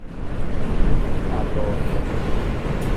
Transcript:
Aloosung.